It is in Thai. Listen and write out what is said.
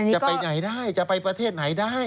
จะไปไหนได้จะไปประเทศไหนได้